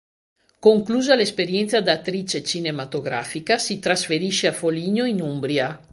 Conclusa l'esperienza da attrice cinematografica si trasferisce a Foligno in Umbria.